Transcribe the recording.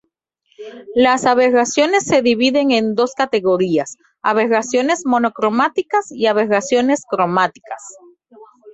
Las aberraciones se dividen en dos categorías: aberraciones monocromáticas y aberraciones cromáticas.